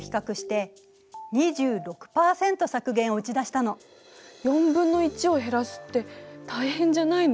日本は４分の１を減らすって大変じゃないの？